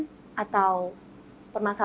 tapi ini memang adalah kelelahan dari pemain chatur